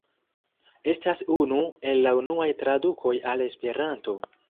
Estas unu el la unuaj tradukoj al Esperanto.